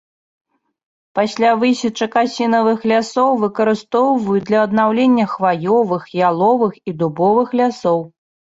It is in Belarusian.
Пасля высечак асінавых лясоў выкарыстоўваюць для аднаўлення хваёвых, яловых і дубовых лясоў.